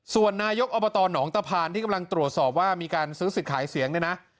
ส่วนนายกอบตหนองตะพานที่กำลังตรวจสอบว่ามีการซื้อสิทธิ์ขายเสียงเนี่ยนะ